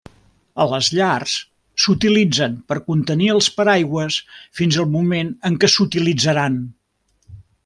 A les llars s'utilitzen per contenir els paraigües fins al moment en què s'utilitzaran.